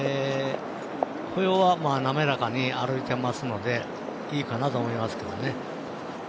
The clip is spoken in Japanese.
歩様は滑らかに歩いてますのでいいかなと思います。